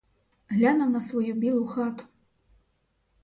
Глянув на свою білу хату.